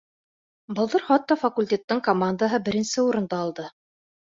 Былтыр хатта факультеттың командаһы беренсе урынды алды.